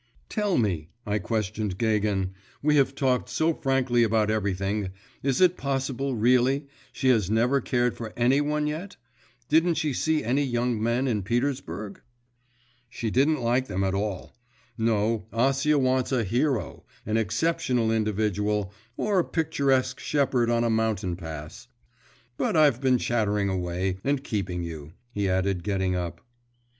'Tell me,' I questioned Gagin, 'we have talked so frankly about everything, is it possible really, she has never cared for any one yet? Didn't she see any young men in Petersburg?' 'She didn't like them at all. No, Acia wants a hero an exceptional individual or a picturesque shepherd on a mountain pass. But I've been chattering away, and keeping you,' he added, getting up.